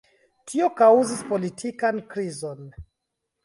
Tio kaŭzis politikan krizon.